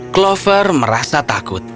clover merasa takut